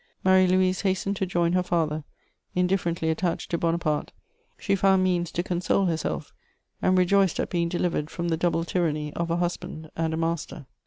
Marie Louise hastened to join her father: indifferently attached to Bonaparte, she found means to console herself and rejoiced at being delivered from the double tyranny of a husband and a master.